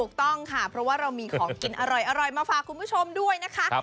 ถูกต้องค่ะเพราะว่าเรามีของกินอร่อยมาฝากคุณผู้ชมด้วยนะคะ